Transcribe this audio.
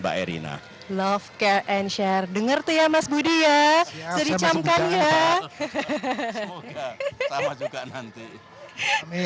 baerina love care and share denger tuh ya mas budi ya jadi campurkan ya hahaha sama juga nanti